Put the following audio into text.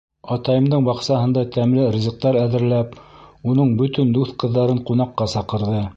Атайымдың баҡсаһында тәмле ризыҡтар әҙерләп, уның бөтөн дуҫ ҡыҙҙарын ҡунаҡҡа саҡырҙы.